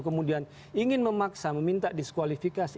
kemudian ingin memaksa meminta diskualifikasi